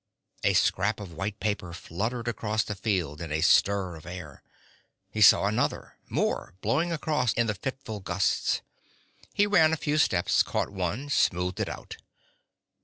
A scrap of white paper fluttered across the field in a stir of air. He saw another, more, blowing along in the fitful gusts. He ran a few steps, caught one, smoothed it out.